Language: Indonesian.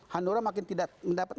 hanura makin tidak mendapat